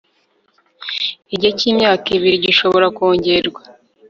igihe cy'imyaka ibiri gishobora kongerwa